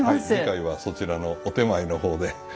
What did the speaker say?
次回はそちらのお点前の方で。